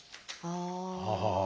ああ。